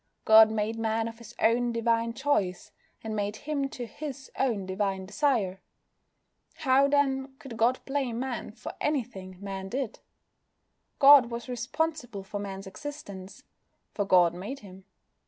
God made Man of His own divine choice, and made him to His own divine desire. How, then, could God blame Man for anything Man did? God was responsible for Man's existence, for God made him.